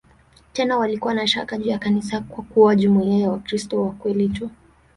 Tena walikuwa na shaka juu ya kanisa kuwa jumuiya ya "Wakristo wa kweli tu".